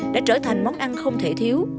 đã trở thành món ăn không thể thiếu